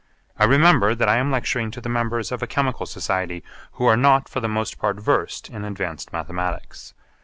I remember that I am lecturing to the members of a chemical society who are not for the most part versed in advanced mathematics.